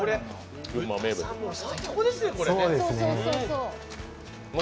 最高ですね、これ。